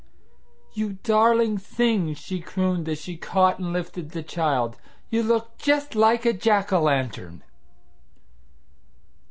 "You darling thing!" she crooned, as she caught and lifted the child. "You look just like a Jack o' lantern."